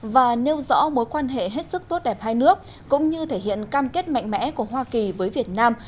và nêu rõ mối quan hệ hết sức tốt đẹp hai nước cũng như thể hiện cam kết mạnh mẽ của hoa kỳ với việt nam